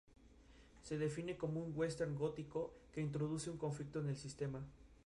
En los alrededores de la estación se han instalado jardines botánicos e invernaderos.